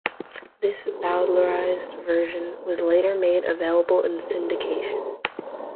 This bowdlerized version was later made available in syndication.